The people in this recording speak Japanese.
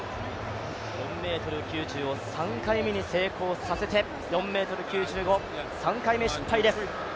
４ｍ９０を３回目に成功させて、４ｍ９５ｃｍ、３回目に失敗です。